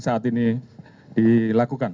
bukan hanya itu